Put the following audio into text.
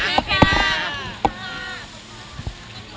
โอเคนะคะ